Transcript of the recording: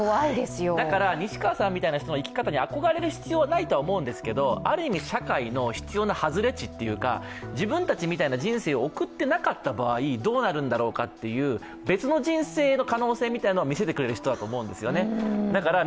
だから西川さんみたいな人の生き方に憧れる必要はないと思うんですがある意味社会の必要な外れ値というか自分たちみたいな人生を送ってなかった場合、どうなるんだろうかという別の人生を見せてくれる人だと思うんですよね。